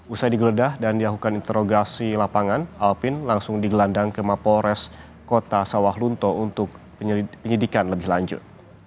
usai digeledah dan dilakukan interogasi lapangan alpin langsung digelandang ke mapolres kota sawah lunto untuk penyelidikan lebih lanjut